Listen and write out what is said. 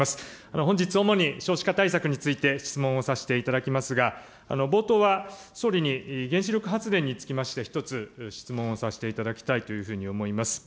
本日、主に少子化対策について質問をさせていただきますが、冒頭は総理に、原子力発電につきまして、１つ質問をさせていただきたいというふうに思います。